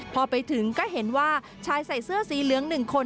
พอไปถึงก็เห็นว่าชายใส่เสื้อสีเหลือง๑คน